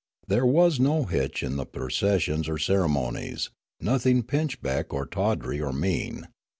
There was no hitch in the processions or ceremonies, nothing pinchbeck or tawdry or mean.